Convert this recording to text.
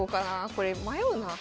これ迷うな。